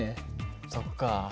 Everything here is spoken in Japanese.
そっか。